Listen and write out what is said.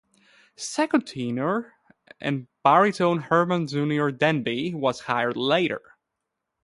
Second tenor and baritone Herman "Junior" Denby was hired later.